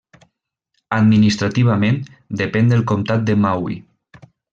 Administrativament depèn del Comtat de Maui.